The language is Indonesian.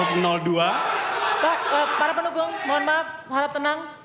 pak para pendukung mohon maaf harap tenang